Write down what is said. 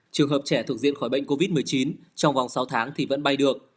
trường hợp trẻ thuộc diện khỏi bệnh covid một mươi chín trong vòng sáu tháng thì vẫn bay được